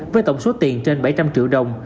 với tổng số tiền trên bảy trăm linh triệu đồng